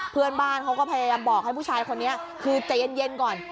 เพื่อนบ้านเขาก็พยายามบอกให้ผู้ชายคนนี้คือใจเย็นก่อน